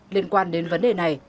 liên quan đến vấn đề này